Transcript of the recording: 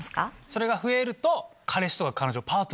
それが増えると彼氏とか彼女。